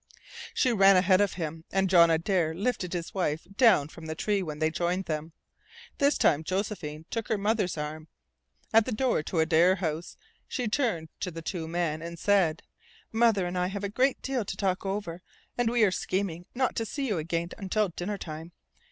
She ran ahead of him, and John Adare lifted his wife down from the tree when they joined them. This time Josephine took her mother's arm. At the door to Adare House she turned to the two men, and said: "Mother and I have a great deal to talk over, and we are scheming not to see you again until dinner time.